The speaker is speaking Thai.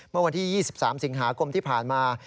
เมื่อวันที่๒๓สิงหาคมที่ผ่านมา